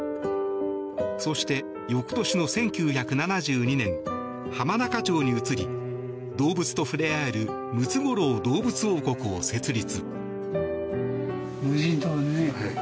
そして、翌年の１９７２年浜中町に移り、動物と触れ合えるムツゴロウ動物王国を設立。